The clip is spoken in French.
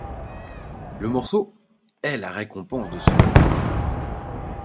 Le morceau ' est la récompense de ce jeu.